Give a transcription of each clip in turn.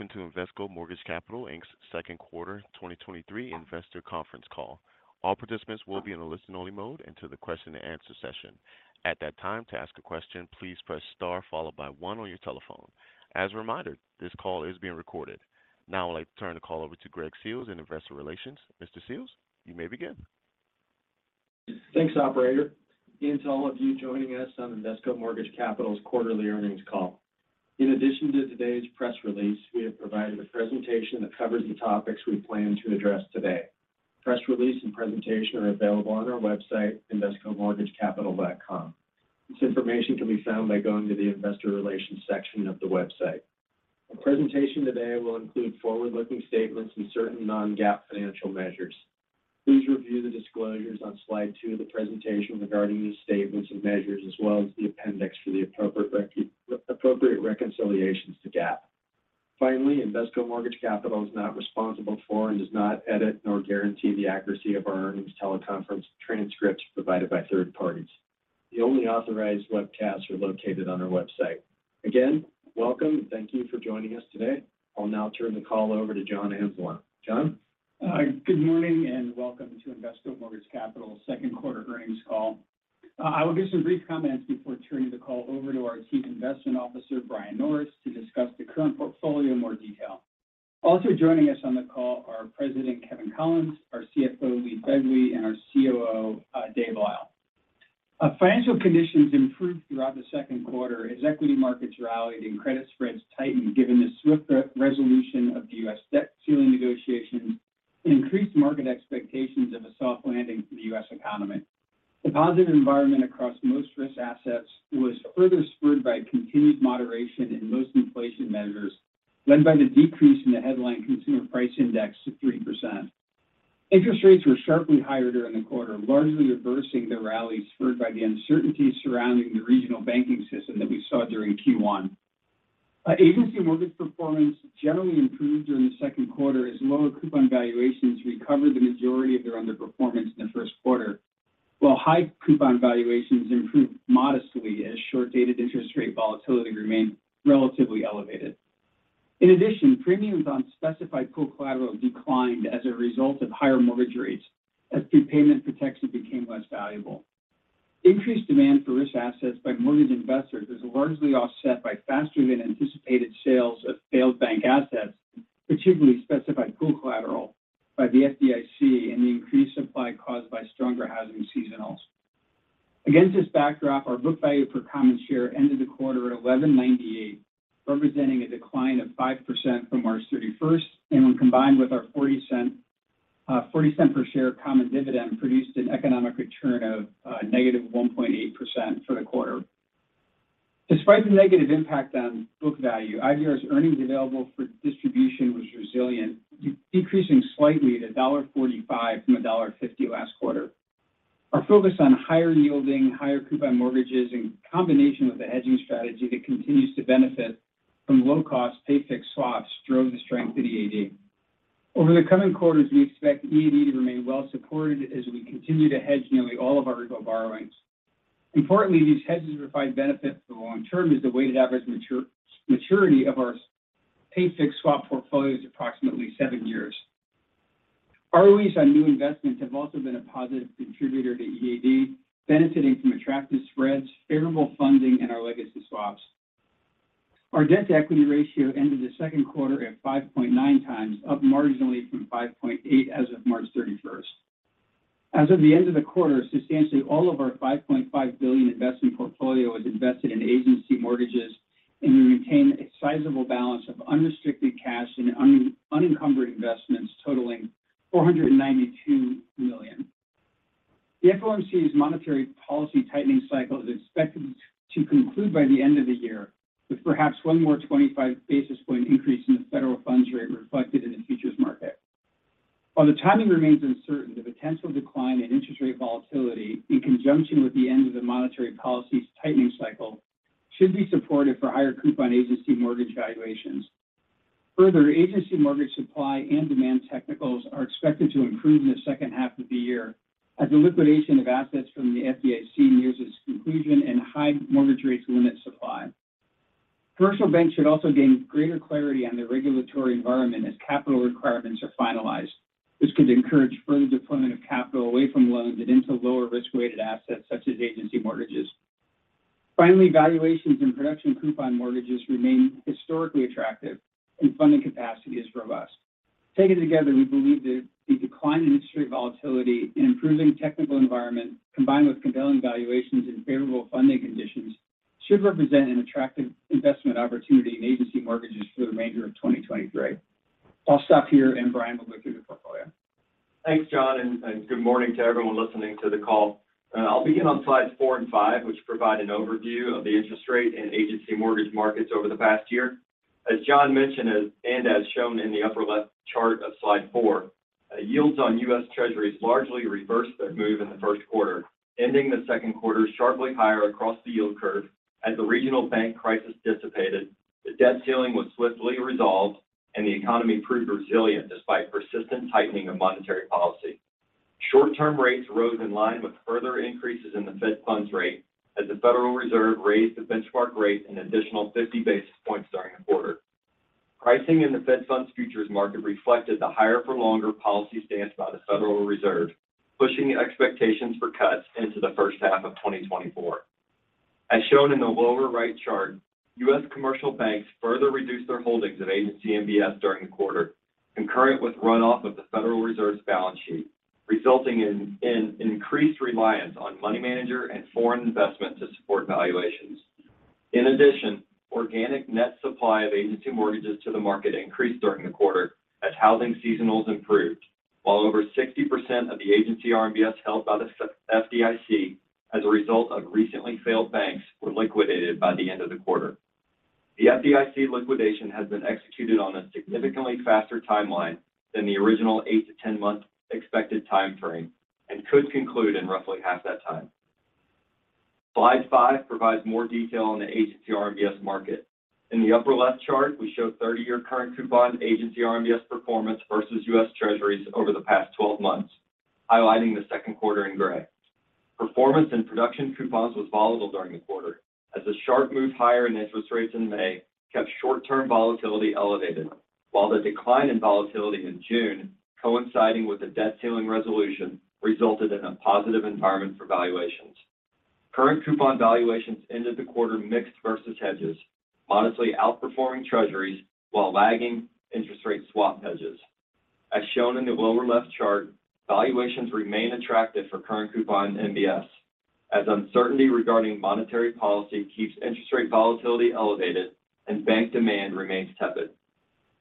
Welcome to Invesco Mortgage Capital Inc's second quarter 2023 investor conference call. All participants will be in a listen-only mode until the question and answer session. At that time, to ask a question, please press Star followed by one on your telephone. As a reminder, this call is being recorded. Now I'd like to turn the call over to Greg Seals in Investor Relations. Mr. Seals, you may begin. Thanks, operator, and to all of you joining us on Invesco Mortgage Capital's quarterly earnings call. In addition to today's press release, we have provided a presentation that covers the topics we plan to address today. Press release and presentation are available on our website, invescomortgagecapital.com. This information can be found by going to the Investor Relations section of the website. The presentation today will include forward-looking statements and certain non-GAAP financial measures. Please review the disclosures on slide two of the presentation regarding these statements and measures, as well as the appendix for the appropriate reconciliations to GAAP. Finally, Invesco Mortgage Capital is not responsible for and does not edit nor guarantee the accuracy of our earnings teleconference transcripts provided by third parties. The only authorized webcasts are located on our website. Again, welcome, thank you for joining us today. I'll now turn the call over to John Anzalone. John? Good morning and welcome to Invesco Mortgage Capital's second quarter earnings call. I will give some brief comments before turning the call over to our Chief Investment Officer, Brian Norris, to discuss the current portfolio in more detail. Also joining us on the call are President Kevin Collins, our CFO, Lee Phegley, and our COO, Dave Lyle. Financial conditions improved throughout the second quarter as equity markets rallied and credit spreads tightened, given the swift resolution of the U.S. debt ceiling negotiations and increased market expectations of a soft landing for the U.S. economy. The positive environment across most risk assets was further spurred by continued moderation in most inflation measures, led by the decrease in the headline Consumer Price Index to 3%. Interest rates were sharply higher during the quarter, largely reversing the rally spurred by the uncertainty surrounding the regional banking system that we saw during Q1. Agency mortgage performance generally improved during the second quarter as lower coupon valuations recovered the majority of their underperformance in the first quarter, while high coupon valuations improved modestly as short-dated interest rate volatility remained relatively elevated. In addition, premiums on specified-pool collateral declined as a result of higher mortgage rates as prepayment protection became less valuable. Increased demand for risk assets by mortgage investors was largely offset by faster than anticipated sales of failed bank assets, particularly specified-pool collateral by the FDIC and the increased supply caused by stronger housing seasonals. Against this backdrop, our book value per common share ended the quarter at $11.98, representing a decline of 5% from March 31st. When combined with our $0.40 per share common dividend, produced an economic return of -1.8% for the quarter. Despite the negative impact on book value, IVR's earnings available for distribution was resilient, decreasing slightly to $1.45 from $1.50 last quarter. Our focus on higher yielding, higher coupon mortgages in combination with a hedging strategy that continues to benefit from low-cost pay-fixed swaps drove the strength in EAD. Over the coming quarters, we expect EAD to remain well supported as we continue to hedge nearly all of our repo borrowings. Importantly, these hedges provide benefit for the long term as the weighted average maturity of our pay-fixed swap portfolio is approximately seven years. ROEs on new investments have also been a positive contributor to EAD, benefiting from attractive spreads, favorable funding, and our legacy swaps. Our debt-to-equity ratio ended the second quarter at 5.9x, up marginally from 5.8 as of March 31st. As of the end of the quarter, substantially all of our $5.5 billion investment portfolio was invested in Agency mortgages. We retain a sizable balance of unrestricted cash and unencumbered investments totaling $492 million. The FOMC's monetary policy tightening cycle is expected to conclude by the end of the year, with perhaps one more 25 basis point increase in the federal funds rate reflected in the futures market. While the timing remains uncertain, the potential decline in interest rate volatility, in conjunction with the end of the monetary policy's tightening cycle, should be supportive for higher coupon Agency mortgage valuations. Agency mortgage supply and demand technicals are expected to improve in the second half of the year as the liquidation of assets from the FDIC nears its conclusion and high mortgage rates limit supply. Commercial banks should also gain greater clarity on their regulatory environment as capital requirements are finalized. This could encourage further deployment of capital away from loans and into lower risk-weighted assets such as Agency mortgages. Valuations and production coupon mortgages remain historically attractive and funding capacity is robust. Taken together, we believe that the decline in interest rate volatility and improving technical environment, combined with compelling valuations and favorable funding conditions, should represent an attractive investment opportunity in agency mortgages for the remainder of 2023. I'll stop here and Brian will look through the portfolio. Thanks, John, and good morning to everyone listening to the call. I'll begin on slides 4 and 5, which provide an overview of the interest rate and agency mortgage markets over the past year. As John mentioned, as shown in the upper left chart of slide 4, yields on U.S. Treasuries largely reversed their move in the first quarter, ending the second quarter sharply higher across the yield curve as the regional bank crisis dissipated, the debt ceiling was swiftly resolved, and the economy proved resilient despite persistent tightening of monetary policy. Short-term rates rose in line with further increases in the Fed funds rate, as the Federal Reserve raised the benchmark rate an additional 50 basis points during the quarter. Pricing in the Fed funds futures market reflected the higher for longer policy stance by the Federal Reserve, pushing expectations for cuts into the first half of 2024. As shown in the lower right chart, U.S. commercial banks further reduced their holdings of Agency MBS during the quarter, concurrent with runoff of the Federal Reserve's balance sheet, resulting in increased reliance on money manager and foreign investment to support valuations. In addition, organic net supply of agency mortgages to the market increased during the quarter as housing seasonals improved, while over 60% of the Agency RMBS held by the FDIC as a result of recently failed banks were liquidated by the end of the quarter. The FDIC liquidation has been executed on a significantly faster timeline than the original 8-10 month expected timeframe and could conclude in roughly half that time. Slide 5 provides more detail on the Agency RMBS market. In the upper left chart, we show 30-year current coupon Agency RMBS performance versus U.S. Treasuries over the past 12 months, highlighting the second quarter in gray. Performance and production coupons was volatile during the quarter as a sharp move higher in interest rates in May kept short-term volatility elevated, while the decline in volatility in June, coinciding with the debt ceiling resolution, resulted in a positive environment for valuations. Current coupon valuations ended the quarter mixed versus hedges, modestly outperforming Treasuries while lagging interest rate swap hedges. As shown in the lower left chart, valuations remain attractive for current coupon MBS, as uncertainty regarding monetary policy keeps interest rate volatility elevated and bank demand remains tepid.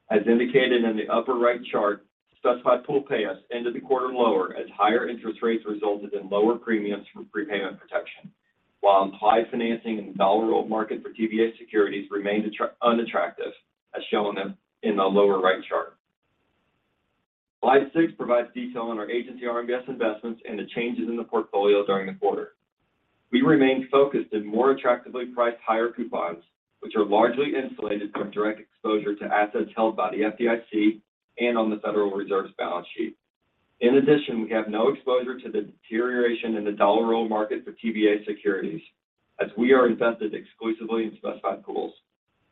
As indicated in the upper right chart, specified-pool payoffs ended the quarter lower as higher interest rates resulted in lower premiums for prepayment protection, while implied financing in the dollar roll market for TBA securities remained unattractive, as shown in the lower right chart. Slide 6 provides detail on our Agency RMBS investments and the changes in the portfolio during the quarter. We remained focused in more attractively priced higher coupons, which are largely insulated from direct exposure to assets held by the FDIC and on the Federal Reserve's balance sheet. We have no exposure to the deterioration in the dollar roll market for TBA securities, as we are invested exclusively in specified pools.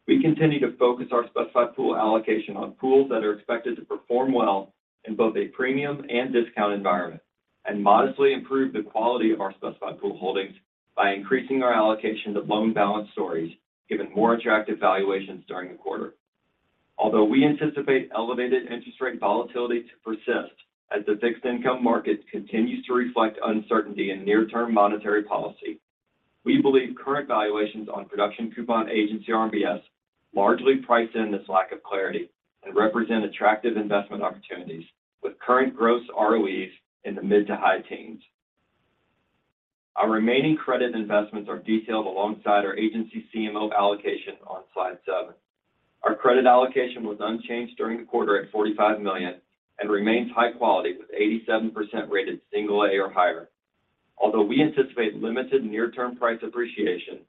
We continue to focus our specified-pool allocation on specified pools that are expected to perform well in both a premium and discount environment, and modestly improve the quality of our specified-pool holdings by increasing our allocation to loan balance stories, given more attractive valuations during the quarter. Although we anticipate elevated interest rate volatility to persist as the fixed-income market continues to reflect uncertainty in near-term monetary policy, we believe current valuations on production coupon Agency RMBS largely price in this lack of clarity and represent attractive investment opportunities, with current gross ROEs in the mid to high teens. Our remaining credit investments are detailed alongside our Agency CMO allocation on slide 7. Our credit allocation was unchanged during the quarter at $45 million and remains high quality, with 87% rated single-A or higher. Although we anticipate limited near-term price appreciation,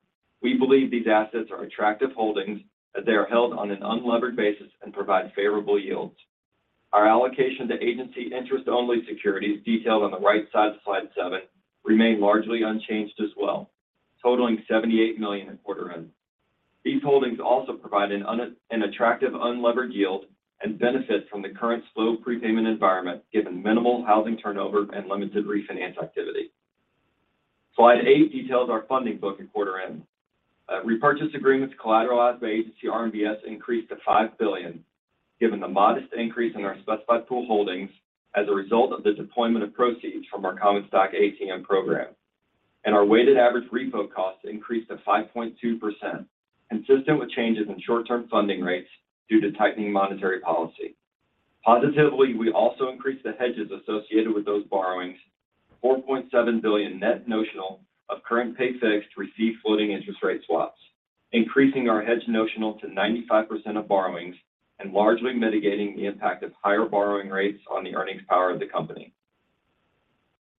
we believe these assets are attractive holdings as they are held on an unlevered basis and provide favorable yields. Our allocation to agency interest-only securities, detailed on the right side of Slide 7, remained largely unchanged as well, totaling $78 million at quarter end. These holdings also provide an attractive unlevered yield and benefit from the current slow prepayment environment, given minimal housing turnover and limited refinance activity. Slide 8 details our funding book at quarter end. Repurchase agreements collateralized by Agency RMBS increased to $5 billion, given the modest increase in our specified-pool holdings as a result of the deployment of proceeds from our common stock ATM program. Our weighted average repo cost increased to 5.2%, consistent with changes in short-term funding rates due to tightening monetary policy. Positively, we also increased the hedges associated with those borrowings, $4.7 billion net notional of current pay-fixed receive floating interest rate swaps, increasing our hedge notional to 95% of borrowings and largely mitigating the impact of higher borrowing rates on the earnings power of the company.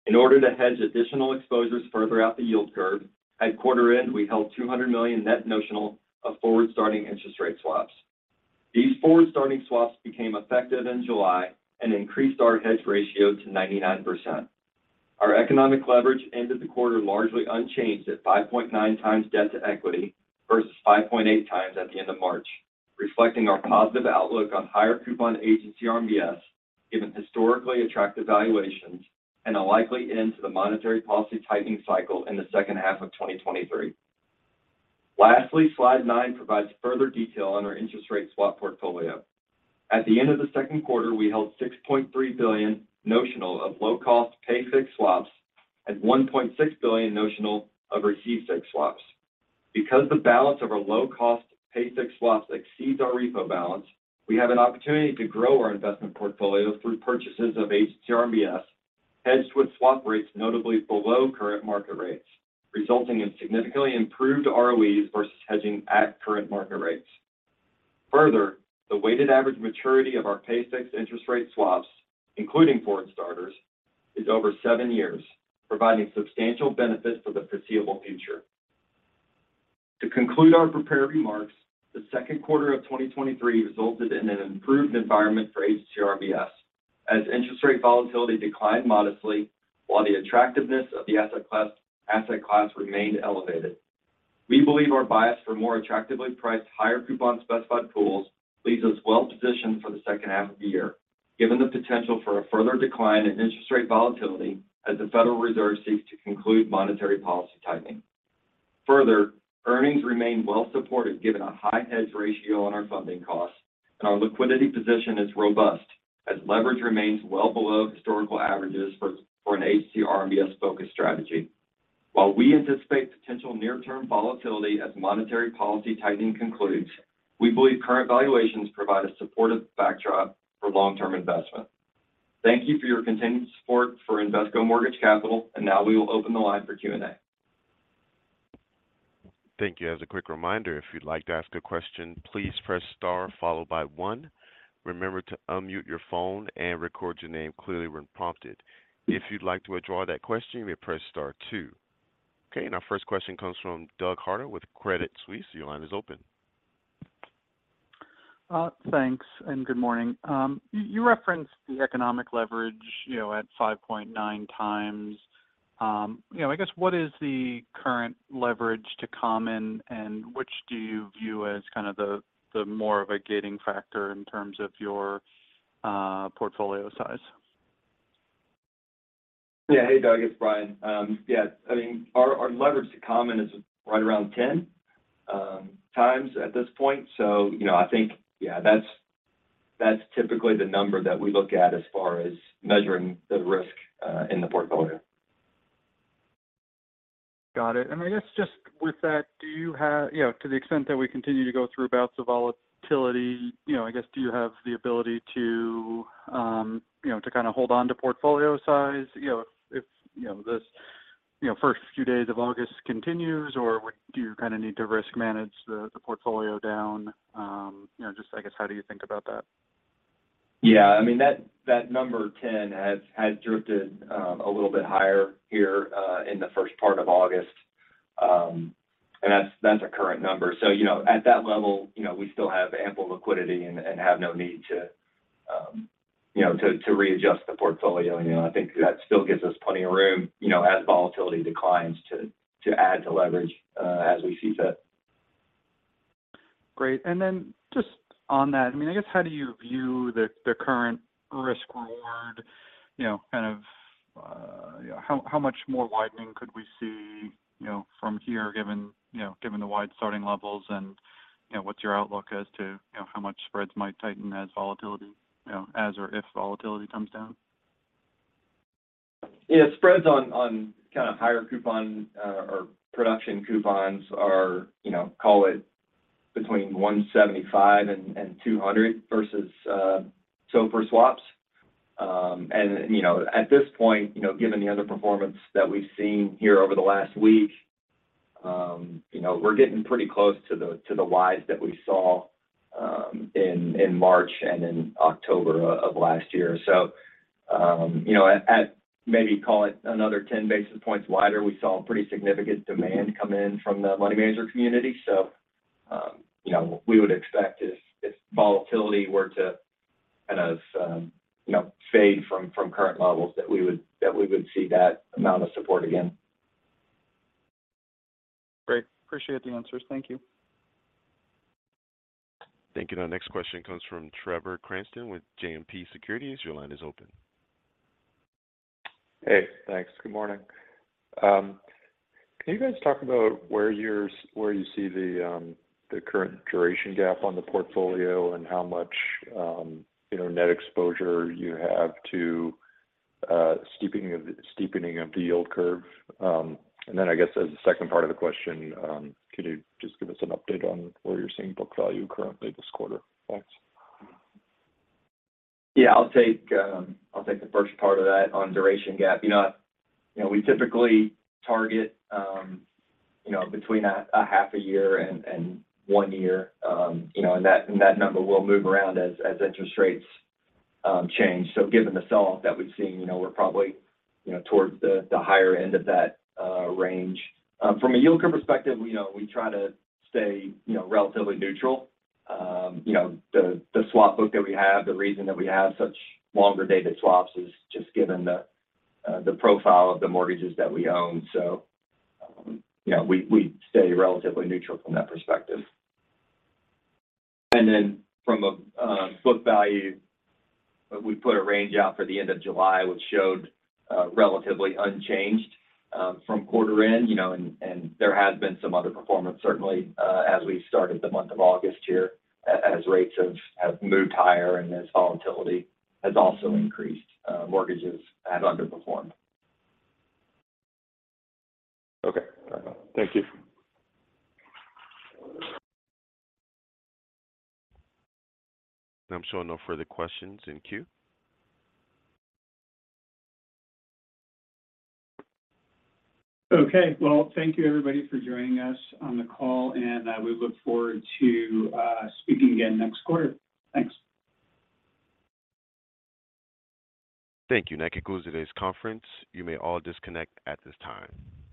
In order to hedge additional exposures further out the yield curve, at quarter end, we held $200 million net notional of forward-starting interest rate swaps. These forward-starting swaps became effective in July and increased our hedge ratio to 99%. Our economic leverage ended the quarter largely unchanged at 5.9x debt-to-equity versus 5.8x at the end of March, reflecting our positive outlook on higher coupon Agency RMBS, given historically attractive valuations and a likely end to the monetary policy tightening cycle in the second half of 2023. Lastly, slide 9 provides further detail on our interest rate swap portfolio. At the end of the second quarter, we held $6.3 billion notional of low-cost pay-fixed swaps and $1.6 billion notional of receive-fixed swaps. Because the balance of our low-cost pay-fixed swaps exceeds our repo balance, we have an opportunity to grow our investment portfolio through purchases of Agency RMBS, hedged with swap rates notably below current market rates, resulting in significantly improved ROEs versus hedging at current market rates. Further, the weighted average maturity of our pay-fixed interest rate swaps, including forward starters, is over seven years, providing substantial benefits for the foreseeable future. To conclude our prepared remarks, the second quarter of 2023 resulted in an improved environment for Agency RMBS, as interest rate volatility declined modestly, while the attractiveness of the asset class, asset class remained elevated. We believe our bias for more attractively priced higher coupon specified pools leaves us well-positioned for the second half of the year, given the potential for a further decline in interest rate volatility as the Federal Reserve seeks to conclude monetary policy tightening. Earnings remain well supported, given a high hedge ratio on our funding costs, and our liquidity position is robust as leverage remains well below historical averages for an Agency RMBS-focused strategy. While we anticipate potential near-term volatility as monetary policy tightening concludes, we believe current valuations provide a supportive backdrop for long-term investment. Thank you for your continued support for Invesco Mortgage Capital. Now we will open the line for Q&A. Thank you. As a quick reminder, if you'd like to ask a question, please press star followed by one. Remember to unmute your phone and record your name clearly when prompted. If you'd like to withdraw that question, you may press star two. Okay, our first question comes from Doug Harter with Credit Suisse. Your line is open. Thanks, and good morning. You, you referenced the economic leverage, you know, at 5.9 times. You know, I guess what is the current leverage to common, and which do you view as kind of the, the more of a gating factor in terms of your portfolio size? Yeah. Hey, Doug, it's Brian. Yeah, I mean, our, our leverage to common is right around 10 times at this point. You know, I think, yeah, that's, that's typically the number that we look at as far as measuring the risk in the portfolio. Got it. I guess just with that, do you have... You know, to the extent that we continue to go through bouts of volatility, you know, I guess, do you have the ability to, you know, to kind of hold on to portfolio size? You know, if, you know, this, you know, first few days of August continues, or do you kind of need to risk manage the, the portfolio down? You know, just I guess, how do you think about that? Yeah, I mean, that, that number 10 has, has drifted a little bit higher here in the first part of August. That's, that's a current number. So, you know, at that level, you know, we still have ample liquidity and, and have no need to, you know, to, to readjust the portfolio. You know, I think that still gives us plenty of room, you know, as volatility declines, to, to add to leverage as we see fit. Great. Just on that, I mean, I guess, how do you view the, the current risk-reward? You know, kind of, how, how much more widening could we see, you know, from here, given, you know, given the wide starting levels and, you know, what's your outlook as to, you know, how much spreads might tighten as volatility, you know, as or if volatility comes down? Yeah, spreads on, on kind of higher coupon, or production coupons are, you know, call it between 175 and 200 versus SOFR swaps. You know, at this point, you know, given the underperformance that we've seen here over the last week, you know, we're getting pretty close to the, to the wides that we saw, in March and in October of last year. You know, at, at maybe call it another 10 basis points wider, we saw pretty significant demand come in from the money manager community. You know, we would expect if, if volatility were to kind of, you know, fade from, from current levels, that we would, that we would see that amount of support again. Great. Appreciate the answers. Thank you. Thank you. Next question comes from Trevor Cranston with JMP Securities. Your line is open. Hey, thanks. Good morning. Can you guys talk about where you're, where you see the current duration gap on the portfolio and how much, you know, net exposure you have to steepening of the, steepening of the yield curve? I guess as a second part of the question, could you just give us an update on where you're seeing book value currently this quarter? Thanks. Yeah, I'll take, I'll take the first part of that on duration gap. You know, you know, we typically target, you know, between a, a half a year and, and one year. You know, and that, and that number will move around as interest rates change. Given the sell-off that we've seen, you know, we're probably, you know, towards the higher end of that range. From a yield curve perspective, you know, we try to stay, you know, relatively neutral. You know, the, the swap book that we have, the reason that we have such longer-dated swaps is just given the, the profile of the mortgages that we own. You know, we, we stay relatively neutral from that perspective. Then from a book value, we put a range out for the end of July, which showed relatively unchanged from quarter end, you know, and there has been some underperformance, certainly, as we started the month of August here. As rates have moved higher and as volatility has also increased, mortgages have underperformed. Okay. Bye-bye. Thank you. I'm showing no further questions in queue. Okay. Well, thank you, everybody, for joining us on the call, and we look forward to speaking again next quarter. Thanks. Thank you. That concludes today's conference. You may all disconnect at this time.